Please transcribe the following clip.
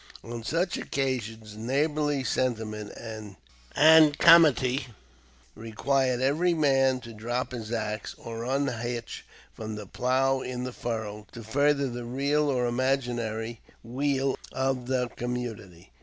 On such occasions neighborly sentiment and comity required every man to drop his axe, or unhitch from the plow in the furrow, to further the real or imaginary weal of the community.